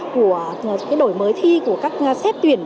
của cái đổi mới thi của các xét tuyển